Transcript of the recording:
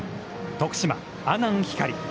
徳島・阿南光。